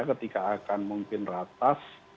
ketika akan mungkin ratas